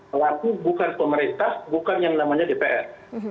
kalau aku bukan pemerintah bukan yang namanya dpr